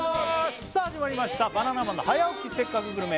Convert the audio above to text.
さあ始まりました「バナナマンの早起きせっかくグルメ！！」